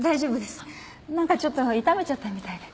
何かちょっと痛めちゃったみたいで。